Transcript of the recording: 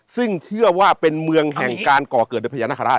ซึ่งเชื่อว่าเป็นเมืองแห่งการก่อเกิดโดยพญานาคาราช